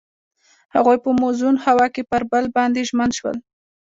هغوی په موزون هوا کې پر بل باندې ژمن شول.